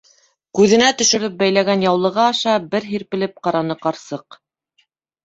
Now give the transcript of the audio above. Күҙенә төшөрөп бәйләгән яулығы аша бер һирпелеп ҡараны ҡарсыҡ.